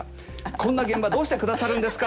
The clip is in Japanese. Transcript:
こんな現場どうしてくださるんですか？